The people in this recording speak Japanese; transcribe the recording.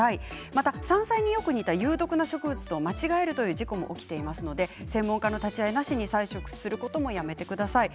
また山菜によく似た有毒な植物と間違えるという事故も起きていますので専門家の立ち会いなしに採取することもやめてください。